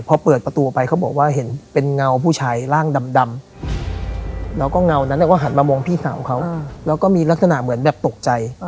พอเปิดประตูไปเขาบอกว่าเห็นเป็นเงาผู้ชายร่างดำแล้วก็เงานั้นก็หันมามองพี่สาวเขาแล้วก็มีลักษณะเหมือนแบบตกใจ